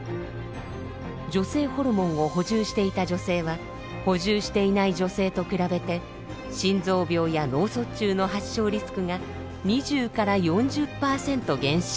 女性ホルモンを補充していた女性は補充していない女性と比べて心臓病や脳卒中の発症リスクが２０４０％減少。